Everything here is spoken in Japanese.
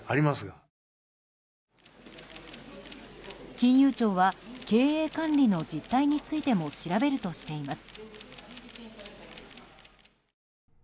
金融庁は経営管理の実態についても調べるとしています。